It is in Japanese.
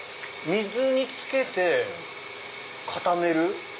水につけて固める。